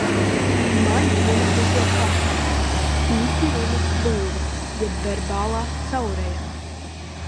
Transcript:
Maļ vienu un to pašu - īsti runas plūdi jeb verbālā caureja.